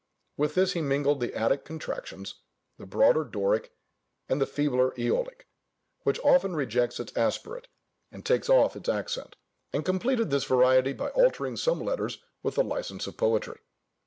With this he mingled the Attic contractions, the broader Doric, and the feebler Æolic, which often rejects its aspirate, or takes off its accent, and completed this variety by altering some letters with the licence of poetry.